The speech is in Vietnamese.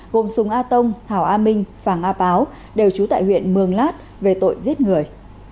gồm sùng a tông hà a minh phàng a páo đều trú tại huyện mường lát về tội giết người